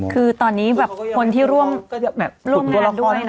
คือตอนนี้แบบคนที่ร่วมร่วมในอันด้วย